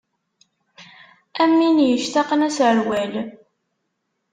Am win yectaqen aserwal.